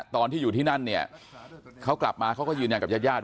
ตอนที่อยู่ที่นั่นเนี่ยเขากลับมาเขาก็ยืนยันกับญาติญาติ